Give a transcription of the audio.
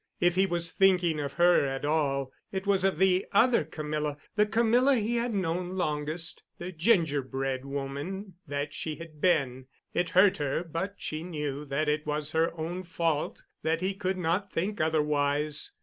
If he was thinking of her at all, it was of the other Camilla—the Camilla he had known longest—the gingerbread woman that she had been. It hurt her, but she knew that it was her own fault that he could not think otherwise.